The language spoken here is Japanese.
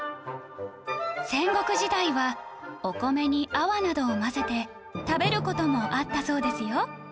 戦国時代はお米に粟などを混ぜて食べる事もあったそうですよ